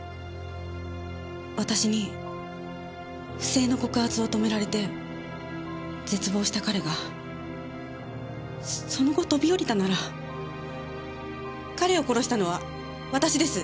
私に不正の告発を止められて絶望した彼がその後飛び降りたなら彼を殺したのは私です。